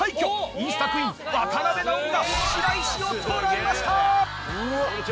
インスタクイーン渡辺直美が白石を捉えました！